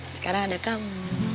sekarang ada kamu